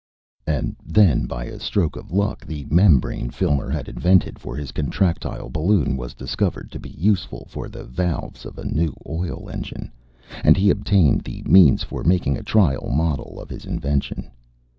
And then by a stroke of luck the membrane Filmer had invented for his contractile balloon was discovered to be useful for the valves of a new oil engine, and he obtained the means for making a trial model of his invention.